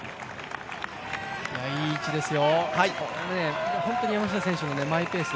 いい位置ですよ、本当に山下選手はマイペース。